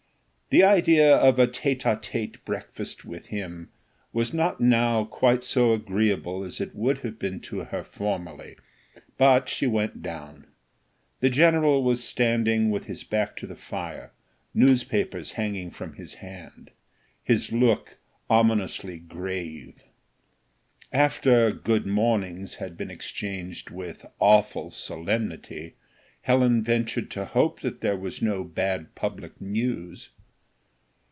The idea of a tête à tetê breakfast with him was not now quite so agreeable as it would have been to her formerly, but she went down. The general was standing with his back to the fire, newspapers hanging from his hand, his look ominously grave. After "Good mornings" had been exchanged with awful solemnity, Helen ventured to hope that there was no bad public news.